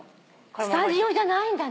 スタジオじゃないんだね。